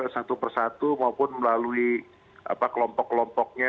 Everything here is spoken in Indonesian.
satu persatu maupun melalui kelompok kelompoknya